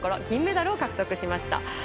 銀メダルを獲得しました。